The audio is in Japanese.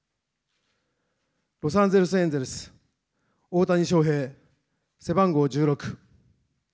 ロサンゼルスエンジェルス、大谷翔平、背番号１６。